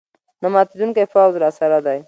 نه ماتېدونکی پوځ راسره دی.